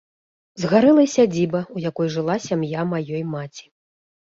Згарэла і сядзіба, у якой жыла сям'я маёй маці.